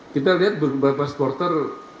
kita lihat beberapa sporter